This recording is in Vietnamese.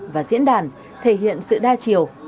và diễn đàn thể hiện sự đa chiều